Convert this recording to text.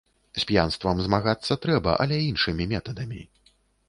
З п'янствам змагацца трэба, але іншымі метадамі.